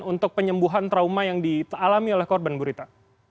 untuk penyembuhan trauma yang dialami oleh korban bu rita